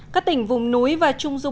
các tỉnh vùng núi và trung du bắc